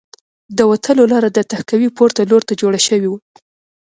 د وتلو لاره د تهکوي پورته لور ته جوړه شوې وه